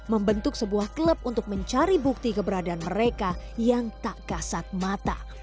membentuk sebuah klub untuk mencari bukti keberadaan mereka yang tak kasat mata